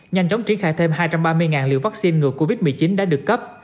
nhanh chóng triển khai thêm hai trăm ba mươi liều vaccine ngừa covid một mươi chín đã được cấp